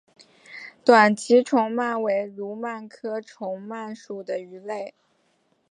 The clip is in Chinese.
短鳍虫鳗为蠕鳗科虫鳗属的鱼类。